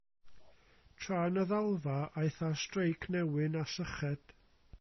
Tra yn y ddalfa, aeth ar streic newyn a syched.